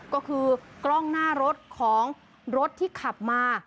ก็คือกล้องหน้ารถของรถที่ขับมา